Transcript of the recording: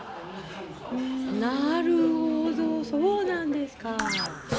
なるほどそうなんですか。